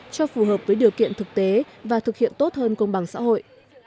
cho phù hợp với điều kiện thực tế và thực hiện tốt hơn công bằng xã hội